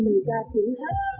người ta thú thất